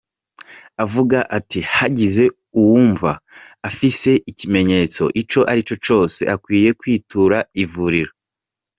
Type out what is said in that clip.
Avuga ati: "Hagize uwumva afise ikimenyetso ico ari co cose, akwiye kwitura ivuriro.